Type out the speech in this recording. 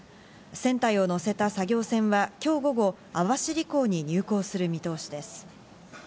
船体を乗せた作業船は今日午後、網走港に入港する見通しです。